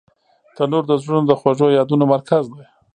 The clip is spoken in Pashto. تنور د زړونو د خوږو یادونو مرکز دی